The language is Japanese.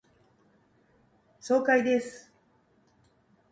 爽快です。